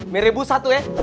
merebu satu ya